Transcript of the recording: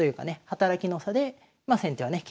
働きの差でまあ先手はね